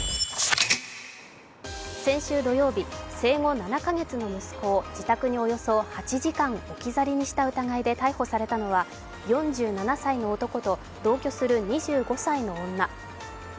先週土曜日、生後７カ月の息子を自宅におよそ８時間置き去りにした疑いで逮捕されたのは、４７歳の男と同居する２５歳の女。